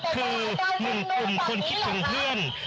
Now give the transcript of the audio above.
คือหมุ่มคนคิดถึงเพื่อน